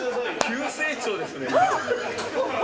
急成長ですね。